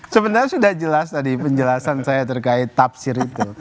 sebenarnya sudah jelas tadi penjelasan saya terkait tafsir itu